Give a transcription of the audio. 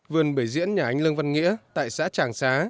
vườn bưởi diễn nhà anh lương văn nghĩa tại xã tràng xá